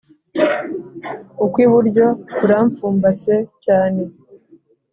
ukw’iburyo kurampfumbase cyane